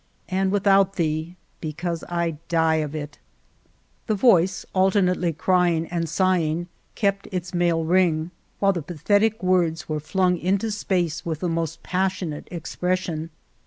And without thee, because I die of it. The voice, alternately crying and sighing, kept its male ring, while the pathetic words 29 g ^ (i g ArgamasiUa were flung into space with the most passion ate expression.